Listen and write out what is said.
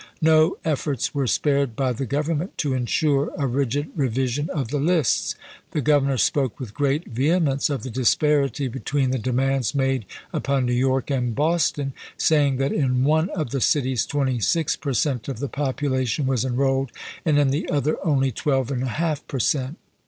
No efforts were spared "N^York by the Government to insure a rigid revision of aiconhe the lists. The Governor spoke with great vehe 8Crp?590n'" mence of the disparity between the demands made upon New York and Boston, saying that in one of the cities 26 per cent, of the population was en rolled, and in the other only 12J per cent.